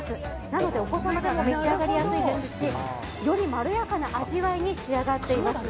なので、お子様でも召し上がりやすいですしよりまろやかな味わいに仕上がっています。